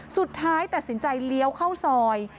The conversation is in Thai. สุดท้ายตัดสินใจเลี้ยวเข้าซอย